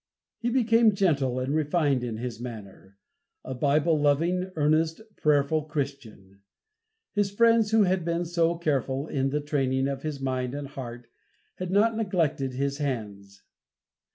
He became gentle and refined in his manner, a Bible loving, earnest, prayerful Christian. His friends who had been so careful in the training of his mind and heart, had not neglected his hands.